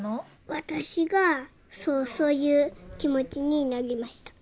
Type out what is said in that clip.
私がそういう気持ちになりました。